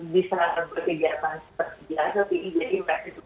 bisa berpikir pikir pas tersejahtera di ij invest itu